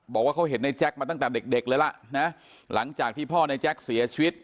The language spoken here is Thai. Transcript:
บอกว่าเขาเห็นในแจ๊คมาตั้งแต่เด็กเลยล่ะนะหลังจากที่พ่อในแจ๊คเสียชีวิต